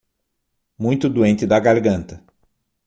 Muito doente da garganta